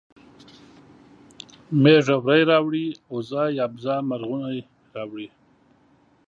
مېږه وری راوړي اوزه یا بزه مرغونی راوړي